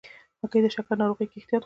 هګۍ د شکر ناروغۍ کې احتیاط غواړي.